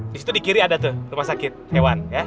di situ di kiri ada tuh rumah sakit hewan